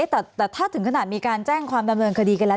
แต่ถ้าถึงขนาดมีการแจ้งความดำเนินคดีกันแล้ว